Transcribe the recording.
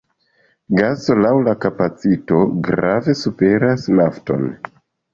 Gaso laŭ la kapacito grave superas nafton.